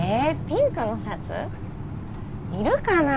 ピンクのシャツ？いるかな？